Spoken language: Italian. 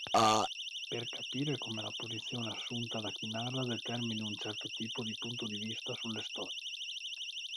Per capire come la posizione assunta da chi narra determini un certo tipo di punto di vista sulle storie.